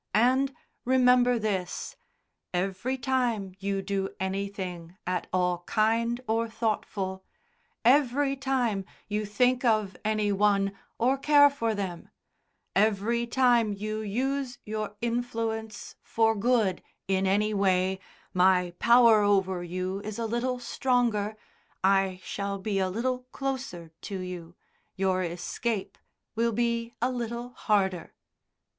And remember this every time you do anything at all kind or thoughtful, every time you think of any one or care for them, every time you use your influence for good in any way, my power over you is a little stronger, I shall be a little closer to you, your escape will be a little harder."